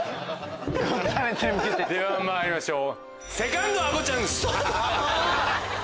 ではまいりましょう。